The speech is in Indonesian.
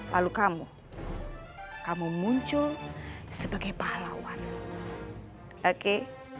lalu kamu kamu muncul sebagai pahlawan oke